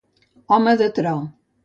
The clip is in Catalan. Home de tro.